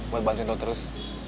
buat bantuin lo terus